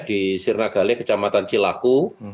di sirna gale kecamatan cilaku